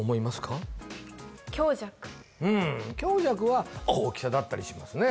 うん強弱は大きさだったりしますね